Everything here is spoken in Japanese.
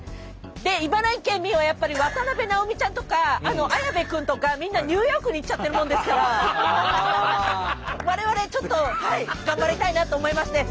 で茨城県民はやっぱり渡辺直美ちゃんとか綾部君とかみんなニューヨークに行っちゃってるもんですから我々ちょっと頑張りたいなと思いまして。